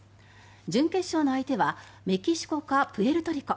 準決勝の相手はメキシコかプエルトリコ。